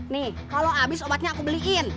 nih kalau habis obatnya aku beliin